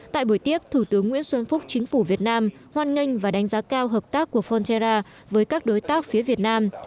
tại buổi tiếp thủ tướng nguyễn xuân phúc chính phủ việt nam hoan nghênh và đánh giá cao hợp tác của fornterra với các đối tác phía việt nam